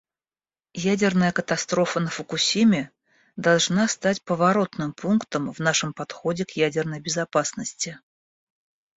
Ядерная катастрофа на Фукусиме должна стать поворотным пунктом в нашем подходе к ядерной безопасности.